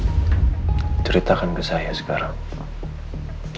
kalau memang anda mampu ceritakan ke saya sekarang